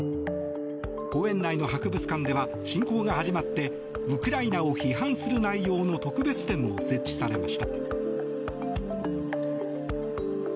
公園内の博物館では侵攻が始まってウクライナを批判する内容の特別展も設置されました。